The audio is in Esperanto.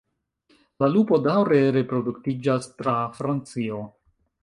La lupo daŭre reproduktiĝas tra Francio.